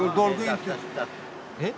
えっ？